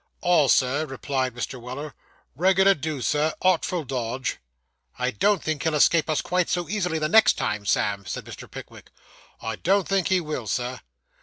'All, sir,' replied Mr. Weller. 'Reg'lar do, sir; artful dodge.' 'I don't think he'll escape us quite so easily the next time, Sam!' said Mr. Pickwick. 'I don't think he will, Sir.